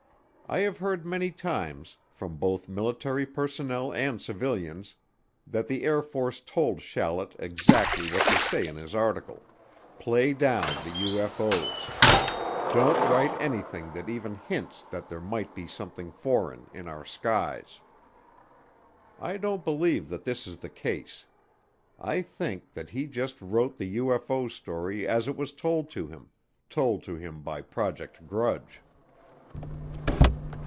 I have heard many times, from both military personnel and civilians, that the Air Force told Shallet exactly what to say in his article play down the UFO's don't write anything that even hints that there might be something foreign in our skies. I don't believe that this is the case. I think that he just wrote the UFO story as it was told to him, told to him by Project Grudge.